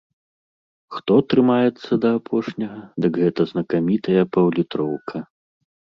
Хто трымаецца да апошняга, дык гэта знакамітая паўлітроўка.